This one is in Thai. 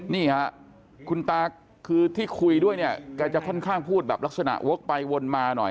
นี่ค่ะคุณตาคือที่คุยด้วยเนี่ยแกจะค่อนข้างพูดแบบลักษณะวกไปวนมาหน่อย